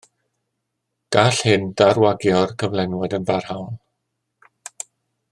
Gall hyn ddarwagio'r cyflenwad yn barhaol.